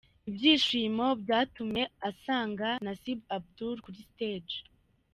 ibyishimo byatumye asanga Nasib Abdul kuri stage.